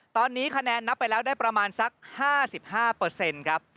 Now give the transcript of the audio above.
ตอนนี้คะแนนนับไปแล้วได้ประมาณสัก๕๕ครับ